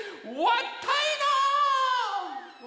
わったいな？